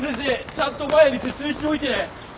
ちゃんとマヤに説明しておいてね！